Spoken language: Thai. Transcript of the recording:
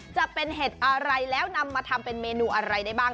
จะเป็นเห็ดอะไรแล้วนำมาทำเป็นเมนูอะไรได้บ้าง